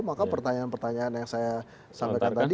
maka pertanyaan pertanyaan yang saya sampaikan tadi